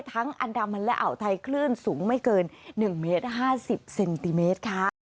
อันดามันและอ่าวไทยคลื่นสูงไม่เกิน๑เมตร๕๐เซนติเมตรค่ะ